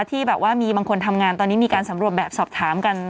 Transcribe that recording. ที่แบบว่ามีบางคนทำงานตอนนี้มีการสำรวจแบบสอบถามกัน